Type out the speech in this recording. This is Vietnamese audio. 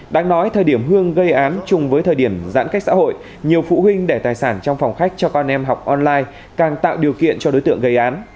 đáng nói thời điểm hương gây án chung với thời điểm giãn cách xã hội nhiều phụ huynh để tài sản trong phòng khách cho con em học online càng tạo điều kiện cho đối tượng gây án